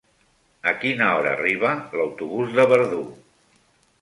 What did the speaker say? A quina hora arriba l'autobús de Verdú?